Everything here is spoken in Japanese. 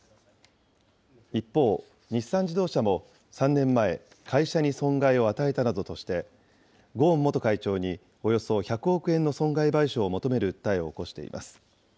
一方、日産自動車も３年前、会社に損害を与えたなどとして、ゴーン元会長におよそ１００億円の損害賠償を求める訴えを起こしています。